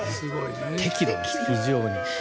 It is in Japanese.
適度に、非常に。